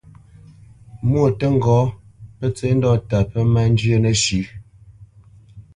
Mwô tə́ ŋgɔ́, pə́ tsə́ ndɔ́ta pə́ má njyə́ nəshʉ̌.